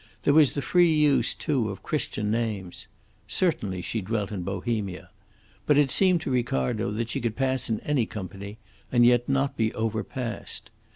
There was the free use, too, of Christian names. Certainly she dwelt in Bohemia. But it seemed to Ricardo that she could pass in any company and yet not be overpassed.